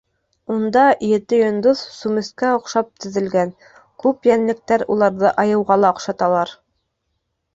Унда ете йондоҙ сүмескә оҡшап теҙелгән, күп йәнлектәр уларҙы айыуға ла оҡшаталар.